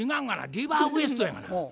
リバーウエストやがな。